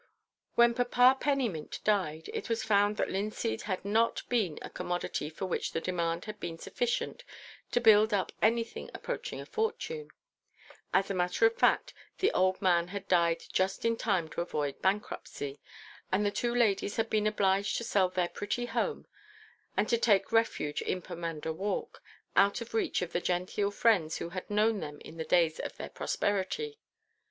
When Papa Pennymint died, it was found that linseed had not been a commodity for which the demand had been sufficient to build up anything approaching a fortune. As a matter of fact, the old man had died just in time to avoid bankruptcy, and the two ladies had been obliged to sell their pretty home and to take refuge in Pomander Walk, out of reach of the genteel friends who had known them in the days of their prosperity.